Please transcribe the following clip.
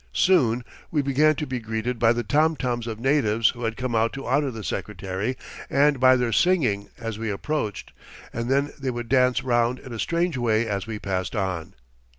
Soon we began to be greeted by the tom toms of natives who had come out to honour the Secretary, and by their singing as we approached, and then they would dance round in a strange way as we passed on.